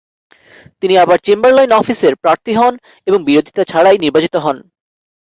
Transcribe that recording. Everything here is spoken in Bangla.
তিনি আবার চেম্বারলাইন অফিসের প্রার্থী হন এবং বিরোধীতা ছাড়াই নির্বাচিত হন।